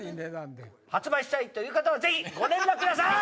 発売したいという方はぜひご連絡下さい！